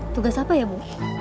tugas apa ya bu